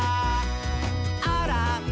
「あら！